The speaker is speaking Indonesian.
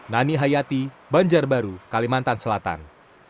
nani hayati banjarbaru kalimantan selatan